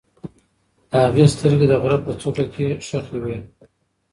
د هغې سترګې د غره په څوکه کې خښې وې.